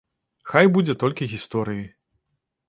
Хай будзе толькі гісторыі.